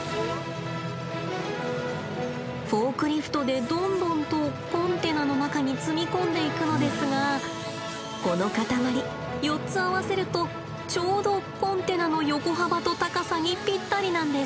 フォークリフトでどんどんとコンテナの中に積み込んでいくのですがこの塊４つ合わせるとちょうどコンテナの横幅と高さにぴったりなんです。